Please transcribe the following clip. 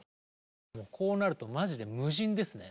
いやもうこうなるとマジで無人ですね。